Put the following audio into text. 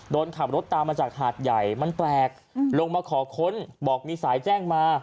โดนขับรถตามมาจากหาดใหญ่มันแปลกลงมาขอค้นบอกมีสายแจ้งมา